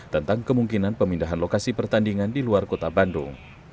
tentang kemungkinan pemindahan lokasi pertandingan di luar kota bandung